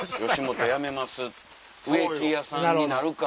植木屋さんになるか。